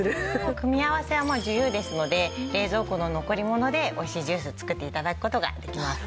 組み合わせは自由ですので冷蔵庫の残り物でおいしいジュース作って頂く事ができます。